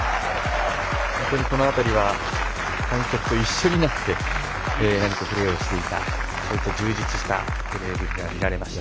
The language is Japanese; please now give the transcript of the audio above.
本当に、この辺りは観客と一緒になって何かプレーをしていた、充実したプレーぶりが見られました。